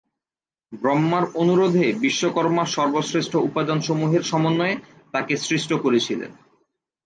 ব্রহ্মার অনুরোধে বিশ্বকর্মা সর্বশ্রেষ্ঠ উপাদানসমূহের সমন্বয়ে তাকে সৃষ্ট করেছিলেন।